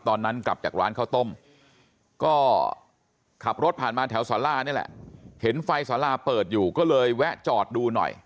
ตอนนั้นกลับจากร้านข้าวต้มก็ขับรถผ่านมาแถวสารานี่แหละเห็นไฟสาราเปิดอยู่ก็เลยแวะจอดดูหน่อย